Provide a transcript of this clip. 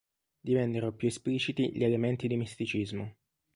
Divennero più espliciti gli elementi di misticismo.